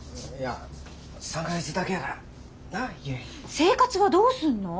生活はどうすんの？